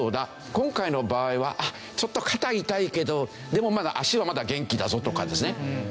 今回の場合はちょっと肩痛いけどでもまだ足は元気だぞとかですね。